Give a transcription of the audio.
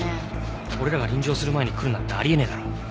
俺らが臨場する前に来るなんてあり得ねえだろ。